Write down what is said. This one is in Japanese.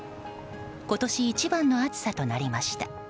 今年一番の暑さとなりました。